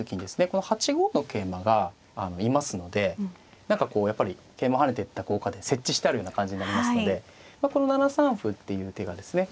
この８五の桂馬がいますので何かこうやっぱり桂馬跳ねてった効果で設置してあるような感じになりますのでこの７三歩っていう手がですね